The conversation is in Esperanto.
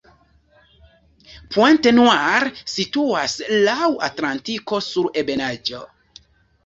Pointe-Noire situas laŭ Atlantiko sur ebenaĵo.